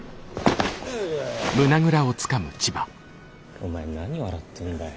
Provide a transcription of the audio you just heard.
お前何笑ってんだよ。